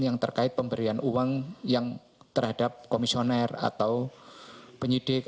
yang terkait pemberian uang yang terhadap komisioner atau penyidik